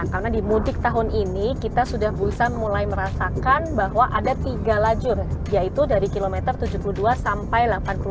karena di mudik tahun ini kita sudah mulai merasakan bahwa ada tiga lajur yaitu dari kilometer tujuh puluh dua sampai delapan puluh tujuh